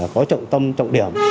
có trọng tâm trọng điểm